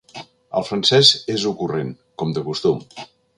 El francès és ocurrent, com de costum.